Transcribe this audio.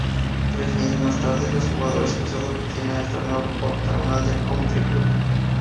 Tres años más tarde las jugadoras cruzadas obtienen el "Torneo Octogonal del Country Club.